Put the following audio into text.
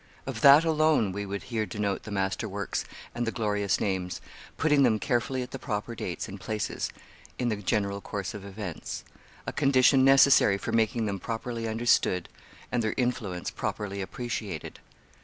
Of that alone we would here denote the master works and the glorious names, putting them carefully at the proper dates and places in the general course of events; a condition necessary for making them properly understood and their influence properly appreciated.